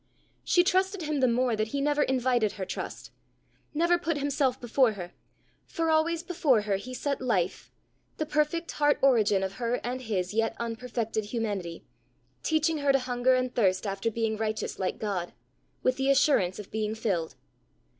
She trusted him the more that he never invited her trust never put himself before her; for always before her he set Life, the perfect heart origin of her and his yet unperfected humanity, teaching her to hunger and thirst after being righteous like God, with the assurance of being filled.